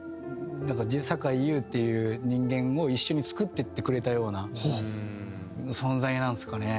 「さかいゆう」っていう人間を一緒に作っていってくれたような存在なんですかね。